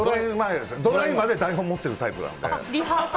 ドライまで台本持ってるタイプなんで。